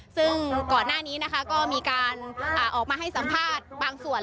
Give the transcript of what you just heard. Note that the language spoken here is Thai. ซึ่งก่อนหน้านี้นะคะก็มีการออกมาให้สัมภาษณ์บางส่วน